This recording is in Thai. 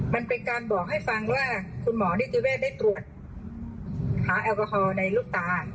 มันเป็นการบอกให้ฟังว่าคุณหมอนิติเวศได้ตรวจหาแอลกอฮอล์ในลูกตา